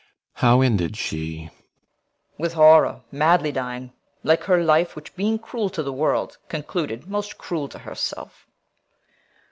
How ended she? CORNELIUS. With horror, madly dying, like her life; Which, being cruel to the world, concluded Most cruel to herself.